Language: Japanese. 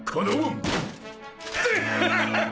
ハハハハ！